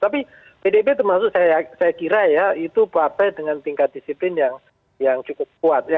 tapi pdip termasuk saya kira ya itu partai dengan tingkat disiplin yang cukup kuat ya